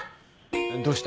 どうした？